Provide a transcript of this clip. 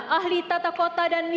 ahli tata kota dan misi